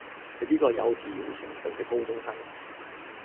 你呢個幼稚園程度嘅高中生